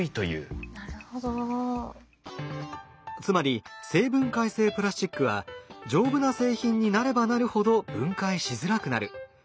つまり生分解性プラスチックは丈夫な製品になればなるほど分解しづらくなる。